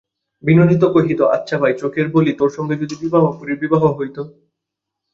বিনোদিনী কহিত, আচ্ছা ভাই চোখের বালি, তোর সঙ্গে যদি বিহারীবাবুর বিবাহ হইত।